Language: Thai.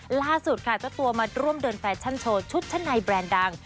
ล่าสุดค่ะเจ้าตัวมาร่วมเดินแฟชั่นโชว์ชุดชั้นในแบรนด์ดัง